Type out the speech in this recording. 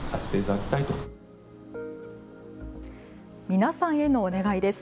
皆さんへのお願いです。